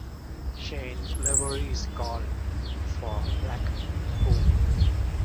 Shayne Lavery scored for Blackpool.